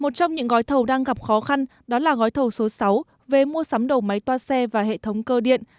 một trong những gói thầu đang gặp khó khăn đó là gói thầu số sáu về mua sắm đầu máy toa xe và hệ thống cơ điện